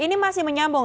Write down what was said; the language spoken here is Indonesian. ini masih menyambung